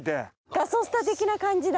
ガソスタ的な感じだ。